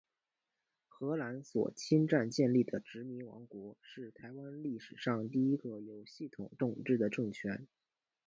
荷兰所侵占建立的殖民王国，是台湾历史上第一个有系统统治的政权。